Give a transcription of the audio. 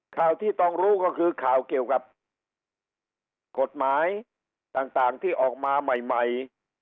ข่าวที่ต้องรู้ก็คือข่าวเกี่ยวกับกฎหมายต่างที่ออกมาใหม่